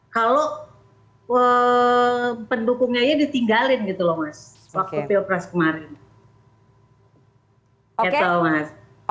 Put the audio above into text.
kalau pendukungnya aja ditinggalin gitu loh mas waktu pilpres kemarin